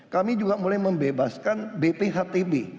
kami juga mulai membebaskan bphtb